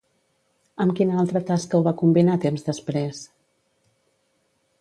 Amb quina altra tasca ho va combinar temps després?